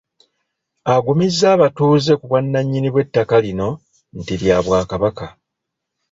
Agumizza abatuuze ku bwannannyini bw'ettaka lino nti lya Bwakabaka.